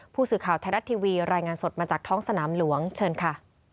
ผู้สื่อข่าวไทยรัฐทีวีรายงานสดมาจากท้องสนามหลวงเชิญค่ะ